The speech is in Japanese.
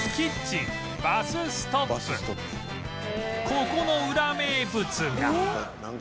ここのウラ名物がえっ！？